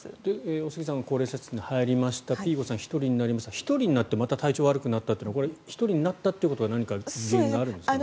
おすぎさんは高齢者施設に入りましたピーコさん、１人になりました１人になってまた体調が悪くなったというのは１人になったことが何か原因があるんでしょうか。